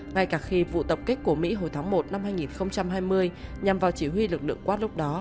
ngay cả khi vụ tập kích của mỹ hồi tháng một năm hai nghìn hai mươi nhằm vào chỉ huy lực lượng qua lúc đó